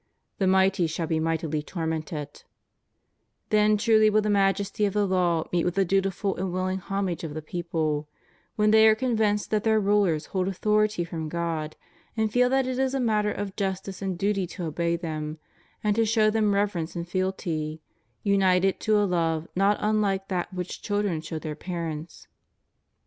The mighty shall he mightily tormented} Then truly will the majesty of the law meet with the dutiful and willing homage of the people, when they are convinced that their rulera hold authority from God, and feel that it is a matter of justice and duty to obey them, and to show them reverence and fealty, united to a love not unlike that which children show their parents.